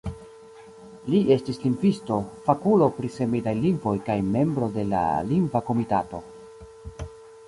Li estis lingvisto, fakulo pri semidaj lingvoj kaj membro de la Lingva Komitato.